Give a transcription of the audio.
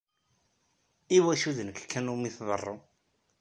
Iwacu d nekk kan iwumi tḍerru?